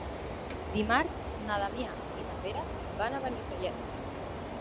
Dimarts na Damià i na Vera van a Benifallet.